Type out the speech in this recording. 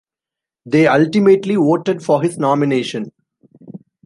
They ultimately voted for his nomination.